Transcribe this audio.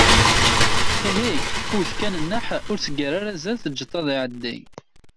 Ihi, wwet kan nnaḥ, ur s-ggar azal, teǧǧeḍ-t ad iɛeddi!